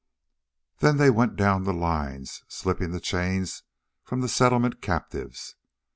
Then they went down the lines slipping the chains from the Settlement captives.